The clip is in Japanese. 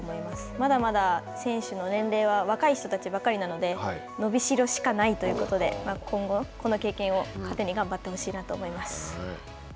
まだまだ選手の年齢は若い人たちばかりなので、伸びしろしかないということで、今後、この経験を糧に頑張ってほしいなと思います。